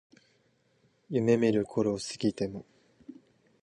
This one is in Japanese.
夢見る頃を過ぎても